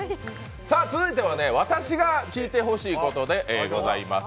続いては私が聞いてほしいことでございます。